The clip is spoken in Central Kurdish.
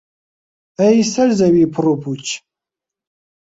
ئەی سەر زەوی پڕ و پووچ